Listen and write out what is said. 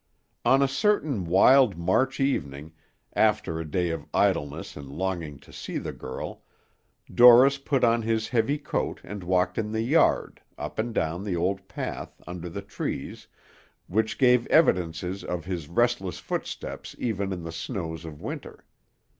On a certain wild March evening, after a day of idleness and longing to see the girl, Dorris put on his heavy coat and walked in the yard, up and down the old path under the trees, which gave evidences of his restless footsteps even in the snows of winter.